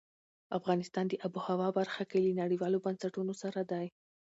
افغانستان د آب وهوا برخه کې له نړیوالو بنسټونو سره دی.